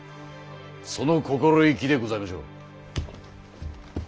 その心意気でございましょう。